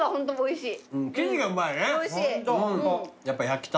おいしい！